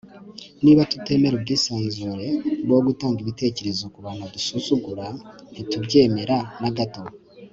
niba tutemera ubwisanzure bwo gutanga ibitekerezo ku bantu dusuzugura, ntitubyemera na gato